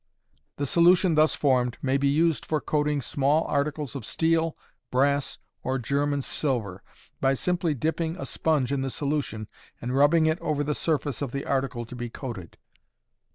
The solution thus formed may be used for coating small articles of steel, brass, or German silver, by simply dipping a sponge in the solution and rubbing it over the surface of the article to be coated.